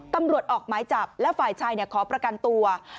ตำรวจออกหมายจับและฝ่ายชายขอประกันตัว